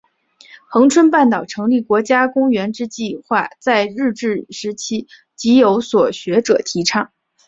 恒春半岛成立国家公园之计画在日治时期即有学者提倡。